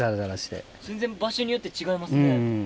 全然場所によって違いますね。